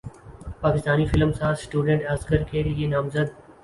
Pakistani film ساز student Oscar کے لیے نامزد